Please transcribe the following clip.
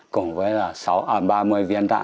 cùng với là ba mươi viên đạn